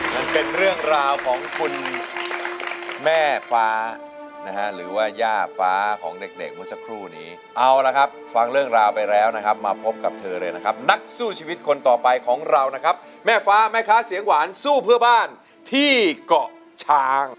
นั่นเป็นเรื่องราวของคุณแม่ฟ้านะฮะหรือว่าย่าฟ้าของเด็กเด็กเมื่อสักครู่นี้เอาละครับฟังเรื่องราวไปแล้วนะครับมาพบกับเธอเลยนะครับนักสู้ชีวิตคนต่อไปของเรานะครับแม่ฟ้าแม่ค้าเสียงหวานสู้เพื่อบ้านที่เกาะช้าง